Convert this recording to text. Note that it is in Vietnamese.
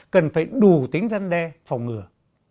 cần phải đủ tính răn đe phòng ngừa